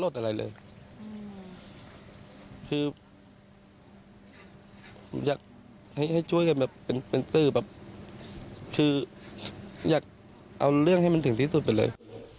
คืออยากให้ช่วยกันแบบเป็นสื่อแบบคืออยากเอาเรื่องให้มันถึงที่สุดไปเลย